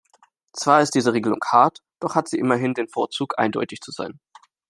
Zwar ist diese Regelung hart, doch hat sie immerhin den Vorzug, eindeutig zu sein.